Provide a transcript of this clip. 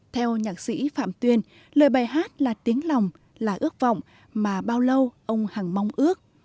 theo nhạc sĩ phạm tuyên lời bài hát là tiếng lòng là ước vọng mà bao lâu ông hằng mong ước